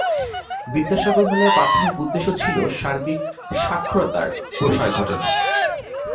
বিদ্যাসাগর মেলার প্রাথমিক উদ্দেশ্য ছিল সার্বিক সাক্ষরতার প্রসার ঘটানো।